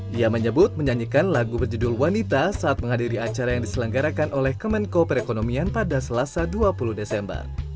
dia menyebut menyanyikan lagu berjudul wanita saat menghadiri acara yang diselenggarakan oleh kemenko perekonomian pada selasa dua puluh desember